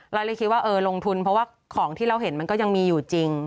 เราเลยคิดว่าเออลงทุนเพราะว่าของที่เราเห็นมันก็ยังมีอยู่จริง